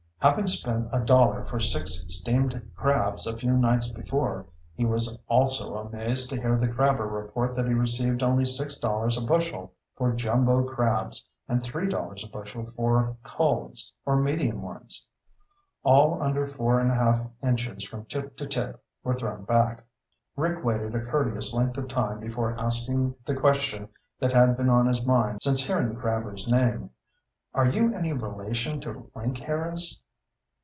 Having spent a dollar for six steamed crabs a few nights before, he was also amazed to hear the crabber report that he received only six dollars a bushel for "jumbo" crabs and three dollars a bushel for "culls," or medium ones. All under four and a half inches from tip to tip were thrown back. Rick waited a courteous length of time before asking the question that had been on his mind since hearing the crabber's name. "Are you any relation to Link Harris?"